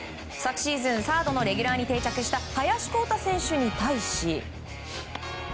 昨シーズンサードのレギュラーに定着した林晃汰選手に対し。